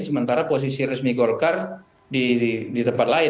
sementara posisi resmi golkar di tempat lain